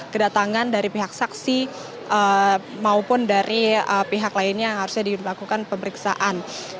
kedatangan dari pihak saksi maupun dari pihak lainnya yang harusnya dilakukan pemeriksaan